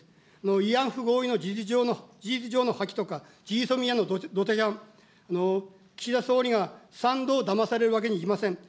慰安婦合意の事実上の破棄とか、ＧＳＯＭＩＡのドタキャン、岸田総理が３度だまされるわけにはいきません。